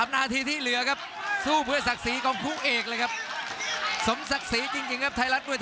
๓นาทีที่เหลือครับ